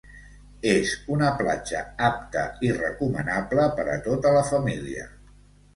És una platja apta i recomanable per a tota la família.